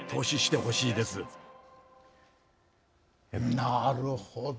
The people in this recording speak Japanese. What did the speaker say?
なるほど。